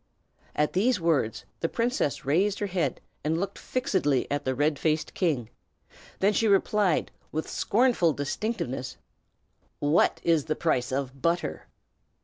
At these words the princess raised her head and looked fixedly at the red faced king; then she replied, with scornful distinctness, "What is the price of butter?"